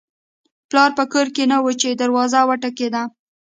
پلار په کور کې نه و چې دروازه وټکېده